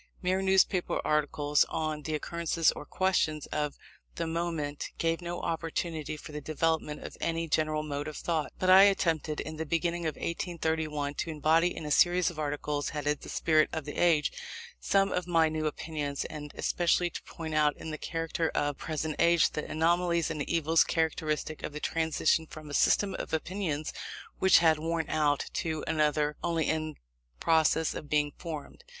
Mere newspaper articles on the occurrences or questions of the moment, gave no opportunity for the development of any general mode of thought; but I attempted, in the beginning of 1831, to embody in a series of articles, headed "The Spirit of the Age," some of my new opinions, and especially to point out in the character of the present age, the anomalies and evils characteristic of the transition from a system of opinions which had worn out, to another only in process of being formed.